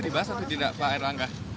dibahas atau tidak pak erlangga